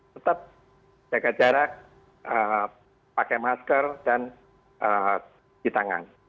tetap jaga jarak pakai masker dan cuci tangan